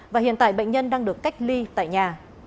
và hiện tại bệnh nhân đang được cách ly tại nhà